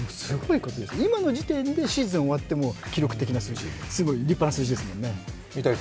今の時点でシーズン終わっても記録的な数字、すごい立派な数字ですもんね。